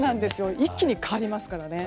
一気に変わりますからね。